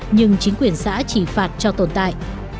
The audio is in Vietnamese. nhưng chính quyền xã chỉ phạt cho tồn tại